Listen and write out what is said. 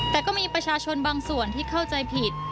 แต่ก็มีประชาชนบางส่วนที่เข้าใจผิด